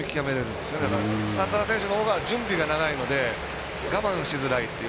サンタナ選手のほうが準備が長いので我慢しづらいという。